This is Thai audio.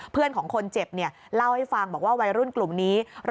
เพื่อนของคนเจ็บเล่าให้ฟังบอกว่าวัยรุ่นกลุ่มนี้